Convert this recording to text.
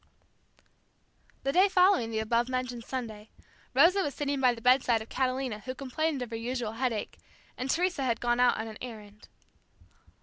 The day following the above mentioned Sunday, Rosa was sitting by the bedside of Catalina who complained of her usual headache, and Teresa had gone out on an errand.